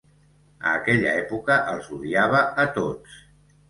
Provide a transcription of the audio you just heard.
A aquella època, els odiava a tots.